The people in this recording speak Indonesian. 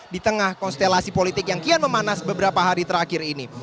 di tengah konstelasi politik yang kian memanas beberapa hari terakhir ini